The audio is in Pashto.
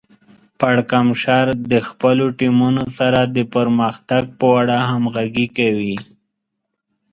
پړکمشر د خپلو ټیمونو سره د پرمختګ په اړه همغږي کوي.